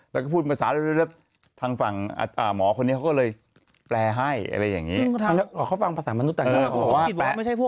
แล้วก็พูดภาษาเรื่อยทางฝั่งอาจารย์หมอคนนี้เขาก็เลยแปลให้อะไรอย่างเงี้ยเขาฟังภาษามนุษย์ต่างดาว